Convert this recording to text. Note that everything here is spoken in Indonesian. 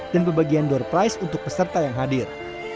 dan pembagian door price untuk peserta yang hadir